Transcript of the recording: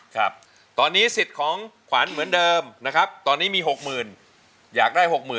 ครับตอนนี้สิทธิ์ของขวัญเหมือนเดิมนะครับตอนนี้มี๖๐๐๐อยากได้๖๐๐๐